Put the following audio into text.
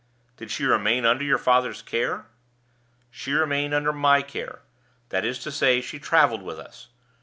"Did she remain under your father's care?" "She remained under my care; that is to say, she traveled with us.